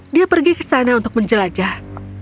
dia pergi ke sana untuk menjelajah